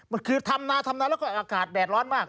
มันคือทำนาทำนาแล้วก็อากาศแดดร้อนมาก